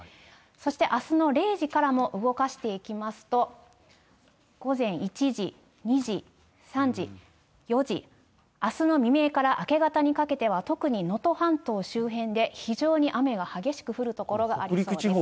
そしてあすの０時からも動かしていきますと、午前１時、２時、３時、４時、あすの未明から明け方にかけては、特に能登半島周辺で非常に雨が激しく降る所がありそうです。